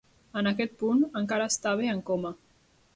En aquest punt, encara estava en coma.